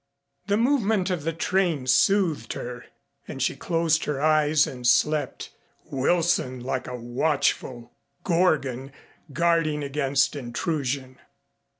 The movement of the train soothed her and she closed her eyes and slept, Wilson like a watchful Gorgon, guarding against intrusion.